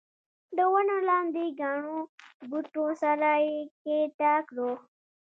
د ونو لاندې ګڼو بوټو سره یې ښکته کړو.